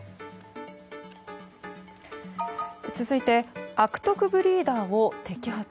続いて、悪徳ブリーダーを摘発。